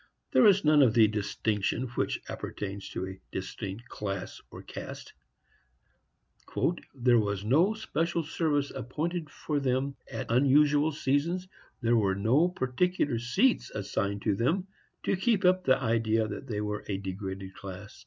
There was none of the distinction which appertains to a distinct class or caste. "There was no special service appointed for them at unusual seasons. There were no particular seats assigned to them, to keep up the idea that they were a degraded class.